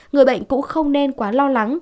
người bệnh cũng không nên quá lo lắng